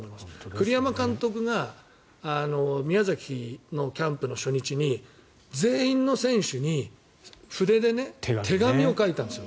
栗山監督が宮崎のキャンプの初日に全員の選手に筆で手紙を書いたんです。